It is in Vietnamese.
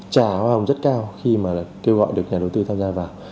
trả hoa hồng rất cao khi mà kêu gọi được nhà đầu tư tham gia vào